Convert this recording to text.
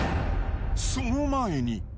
その前に。